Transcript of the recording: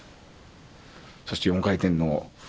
そして４回転の。